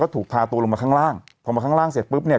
ถูกพาตัวลงมาข้างล่างพอมาข้างล่างเสร็จปุ๊บเนี่ย